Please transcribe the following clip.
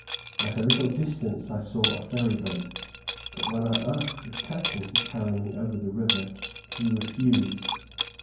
At a little distance I saw a ferry boat, but when I asked the captain to carry me over the river, he refused.